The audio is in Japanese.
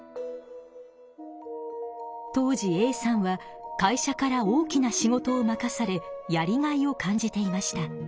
当時Ａさんは会社から大きな仕事を任されやりがいを感じていました。